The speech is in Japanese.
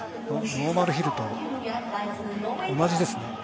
ノーマルヒルと同じですね。